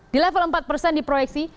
di level empat persen di proyeksi